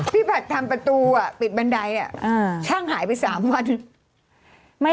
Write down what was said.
ผัดทำประตูปิดบันไดช่างหายไป๓วัน